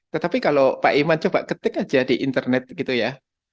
tetapi kalau pak iman coba ketik aja di internet gitu ya